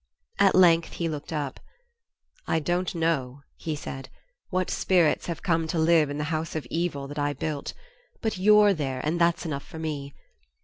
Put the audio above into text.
At length he looked up. "I don't know," he said, "what spirits have come to live in the house of evil that I built but you're there and that's enough for me.